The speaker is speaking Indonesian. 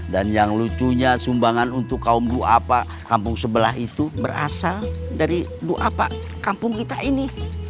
dan yang lucunya sumbangan untuk kaum dua pa kampung sebelah itu berasal dari dua pa kampung kita ini